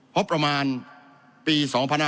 เพราะประมาณปี๒๐๑๕